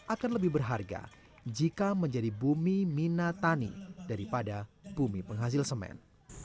akan lebih berharga jika menjadi bumi minatani daripada bumi penghasil semen